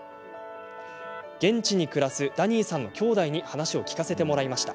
現地に暮らすダニーさんのきょうだいに話を聞かせてもらいました。